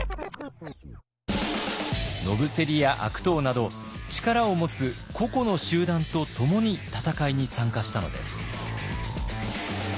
野伏や悪党など力を持つ個々の集団と共に戦いに参加したのです。